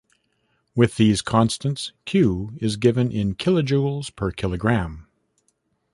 With these constants, "Q" is given in kilojoules per kilogram.